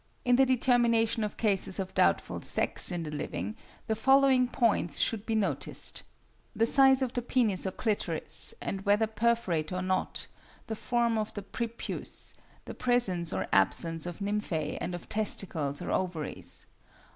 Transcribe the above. In the determination of cases of doubtful sex in the living, the following points should be noticed: the size of the penis or clitoris, and whether perforate or not, the form of the prepuce, the presence or absence of nymphæ and of testicles or ovaries.